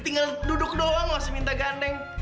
tinggal duduk doang gak usah minta gandeng